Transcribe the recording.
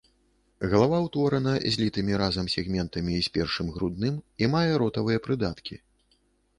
Галава ўтворана злітымі разам сегментамі з першым грудным і мае ротавыя прыдаткі.